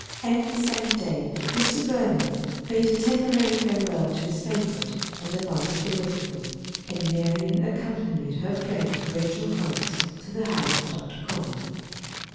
And the same day Mr. Burney bade a temporary farewell to his favorite, and departed for Liverpool, and Marian accompanied her friend Rachel Holmes to the house of Dr. Coleman.